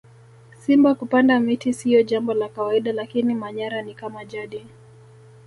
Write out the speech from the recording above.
simba kupanda miti siyo Jambo la kawaida lakini manyara ni kama jadi